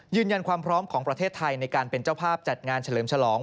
ยืนยันความพร้อมของประเทศไทยในการเป็นเจ้าภาพจัดงานเฉลิมฉลอง